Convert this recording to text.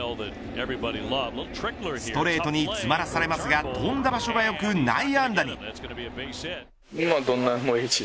ストレートに詰まらされますが飛んだ場所が良く、内野安打に。